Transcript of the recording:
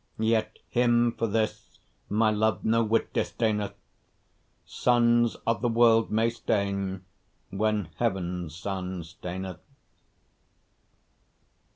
Yet him for this my love no whit disdaineth; Suns of the world may stain when heaven's sun staineth.